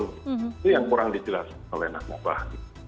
itu yang kurang dijelaskan oleh nasabah